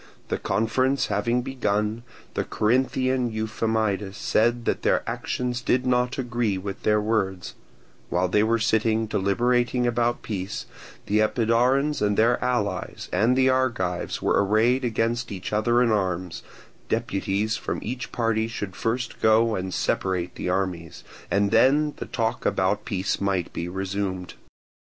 The conference having begun, the Corinthian Euphamidas said that their actions did not agree with their words; while they were sitting deliberating about peace, the Epidaurians and their allies and the Argives were arrayed against each other in arms; deputies from each party should first go and separate the armies, and then the talk about peace might be resumed.